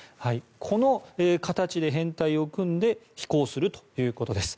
この形で編隊を組んで飛行するということです。